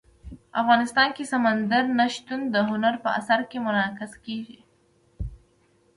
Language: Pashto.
افغانستان کې سمندر نه شتون د هنر په اثار کې منعکس کېږي.